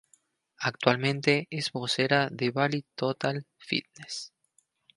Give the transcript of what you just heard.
Actualmente es vocera de Bally Total Fitness.